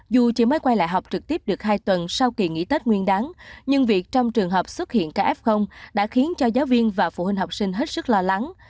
dù chỉ mới quay lại học trực tiếp được hai tuần sau kỳ nghỉ tết nguyên đáng nhưng việc trong trường hợp xuất hiện ca f đã khiến cho giáo viên và phụ huynh học sinh hết sức lo lắng